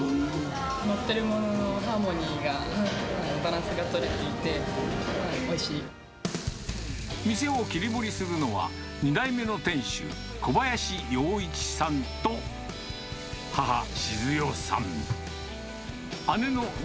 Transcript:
のってるもののハーモニーが、店を切り盛りするのは、２代目の店主、小林洋一さんと、母、静代さん。